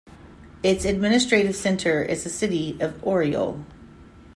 Its administrative center is the city of Oryol.